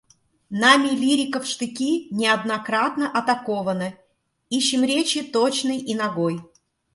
Нами лирика в штыки неоднократно атакована, ищем речи точной и нагой.